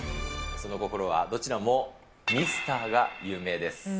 その心は、どちらもミスターが有名です。